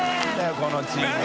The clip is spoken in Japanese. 燭世このチーム。